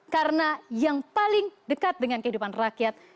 karena yang paling dekat dengan kehidupan rakyat